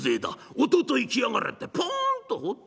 おととい来やがれってポンと放ったんですよ。